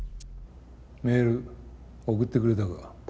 メール送ってくれたか？